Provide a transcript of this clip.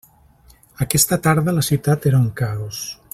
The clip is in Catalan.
Aquesta tarda la ciutat era un caos.